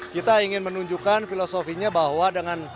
kita ingin menunjukkan filosofinya bahwa dengan